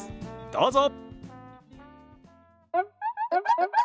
どうぞ。